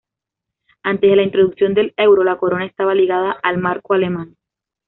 Antes de la introducción del euro, la corona estaba ligada al marco alemán.